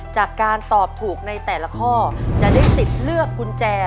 จากการตอบถูกในแต่ละข้อจะได้สิทธิ์เลือกกุญแจ